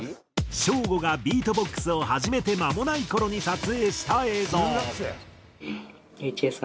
ＳＨＯＷ−ＧＯがビートボックスを始めて間もない頃に撮影した映像。